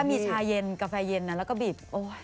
มีชาเย็นกาแฟเย็นแล้วก็บีบ